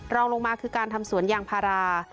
รองลงมาคือการทำสวนยางพารา